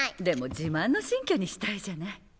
でも自慢の新居にしたいじゃない。